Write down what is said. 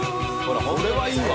これはいいわ。